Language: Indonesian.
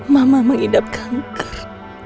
mama mengidap kanker